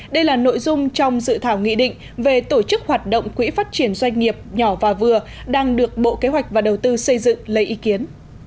đây là nội dung trong dự thảo nghị định về tổ chức hoạt động quỹ phát triển doanh nghiệp nhỏ và vừa đang được bộ kế hoạch và đầu tư xây dựng lấy ý kiến